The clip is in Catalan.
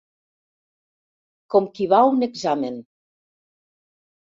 Com qui va a un examen.